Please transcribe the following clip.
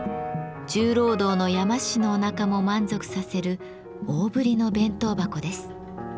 重労働の山師のおなかも満足させる大ぶりの弁当箱です。